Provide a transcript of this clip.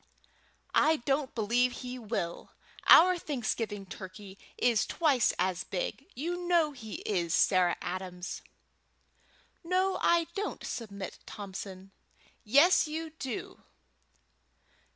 "I don't believe he will. Our Thanksgiving turkey is twice as big. You know he is, Sarah Adams." "No, I don't, Submit Thompson." "Yes, you do."